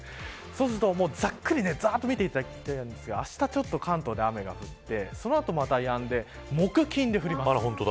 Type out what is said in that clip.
そうするとざっくりと見ていただきますがあした関東で雨が降ってそのあとまたやんで木、金で降ります。